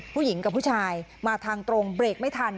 ผู้ชายกับผู้ชายมาทางตรงเบรกไม่ทัน